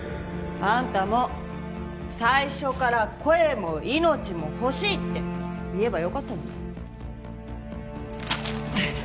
あんたも最初から声も命も欲しいって言えばよかったのに。